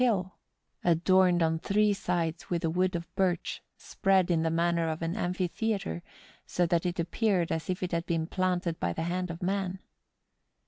147 hill, adorned on three sides with a wood of birch, spread in the manner of an amphitheatre, so tliat it appeared as if it had been planted by the hand of man.